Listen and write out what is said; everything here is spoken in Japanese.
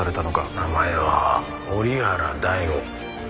名前は折原大吾。